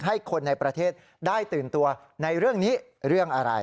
ให้คนในประเทศได้ตื่นตัวในเรื่องนี้เรื่องอะไร